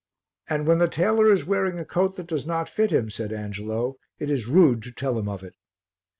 "And when the tailor is wearing a coat that does not fit him," said Angelo, "it is rude to tell him of it."